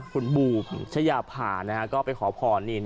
คุณบูชยาผ่านะครับก็ไปขอพร